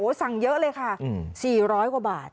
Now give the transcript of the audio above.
สั่งเยอะเลยค่ะ๔๐๐กว่าบาท